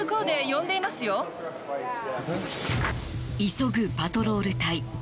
急ぐパトロール隊。